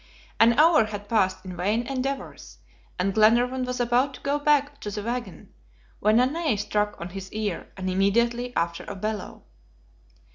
An hour had passed in vain endeavors, and Glenarvan was about to go back to the wagon, when a neigh struck on his ear, and immediately after a bellow.